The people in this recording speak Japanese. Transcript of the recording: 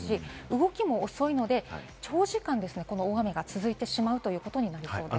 動きも遅いので、長時間、大雨が続いてしまうということになりそうです。